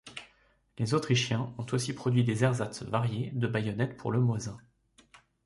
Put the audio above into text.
Les Autrichiens ont aussi produit des ersatz variés de baïonnettes pour le Mosin.